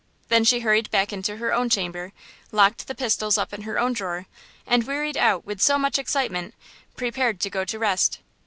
Then she hurried back into her own chamber, locked the pistols up in her own drawer, and, wearied out with so much excitement, prepared to go to rest.